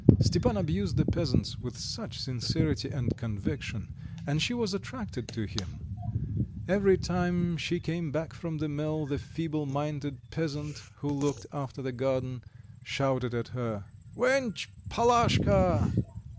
Stepan abused the peasants with such sincerity and conviction, and she was attracted to him. Every time she came back from the mill the feeble minded peasant, who looked after the garden, shouted at her: "Wench Palashka!